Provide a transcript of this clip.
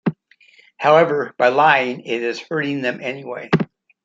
However, by lying, it is hurting them anyway.